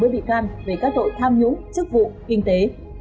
về các tội tham nhũng chức vụ kinh tế